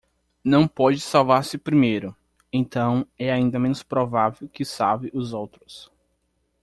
Não pode salvar-se primeiro, então é ainda menos provável que salve os outros